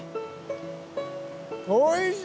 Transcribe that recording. おいしい！